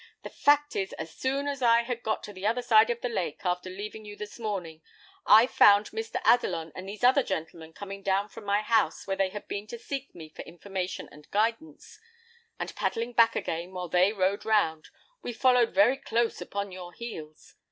"The fact is, as soon as I had got to the other side of the lake, after leaving you this morning, I found Mr. Adelon and these other gentlemen coming down from my house, where they had been to seek me for information and guidance; and paddling back again, while they rode round, we followed very close upon your heels.